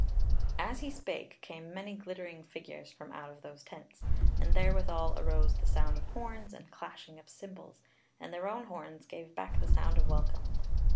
As he spake came many glittering figures from out of those tents, and therewithal arose the sound of horns and clashing of cymbals, and their own horns gave back the sound of welcome.